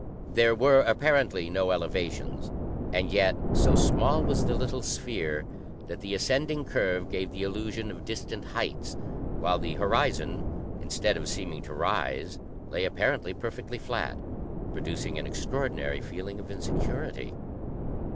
There were apparently no elevations, and yet, so small was the little sphere that the ascending curve gave the illusion of distant heights, while the horizon, instead of seeming to rise, lay apparently perfectly flat, producing an extraordinary feeling of insecurity.